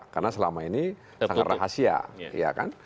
karena selama ini sangat rahasia